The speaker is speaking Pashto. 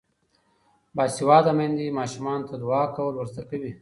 باسواده میندې ماشومانو ته دعا کول ور زده کوي.